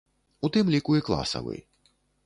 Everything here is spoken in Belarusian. У тым ліку і класавы.